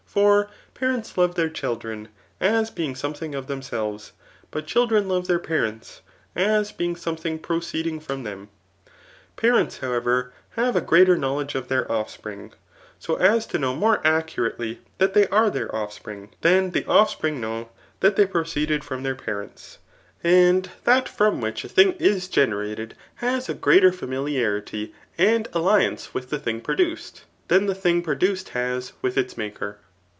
For parents love their children, as being something of themselves ; but children love their parents, as being somethmg proceeding from them. P^ents, however, have a greater knowledge of then: offspring, [so as to know more accurately that they are their offspring,] than the ofl^spring know that they proceeded from thdr parents ; and that from which a thing is generated has a greater familiarity and alliance with the thing produced, Digitized by Google CHAP* %%U ETHICS. «17 Aaa the thing productd has wkh ks mtk&r.